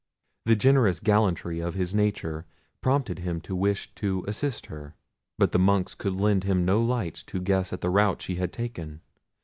The generous gallantry of his nature prompted him to wish to assist her; but the Monks could lend him no lights to guess at the route she had taken.